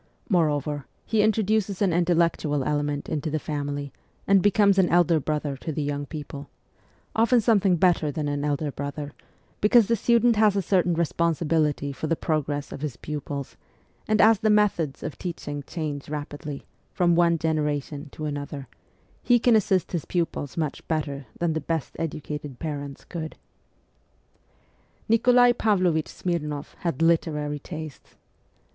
Moreover, he introduces an intellectual element into the family and becomes an elder brother to the young people often something better than an elder brother, because the student has a certain re sponsibility for the progress of his pupils ; and as the methods of teaching change rapidly, from one genera tion to another, he can assist his pupils much better than the best educated parents could, Nikolai Pavlovich Smirnoff had literary tastes.